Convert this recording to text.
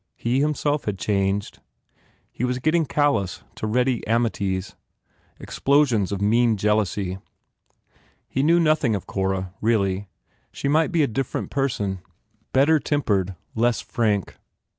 He, himself, had changed. He was getting callous to ready amities, explosions of mean jealousy. He knew nothing of Cora, really. She might be a different person, better tempered, less frank.